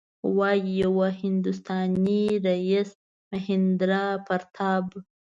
وايي چې یو هندوستانی رئیس مهیندراپراتاپ.